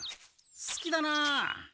すきだな。